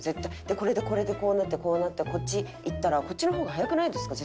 「これでこれでこうなってこうなってこっち行ったらこっちの方が早くないですか？」。